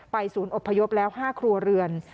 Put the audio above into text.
ศูนย์อบพยพแล้ว๕ครัวเรือน